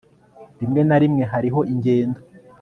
rimwe na rimwe hariho ingendo